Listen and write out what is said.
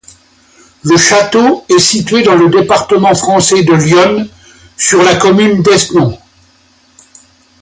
Le château est situé dans le département français de l'Yonne, sur la commune d'Esnon.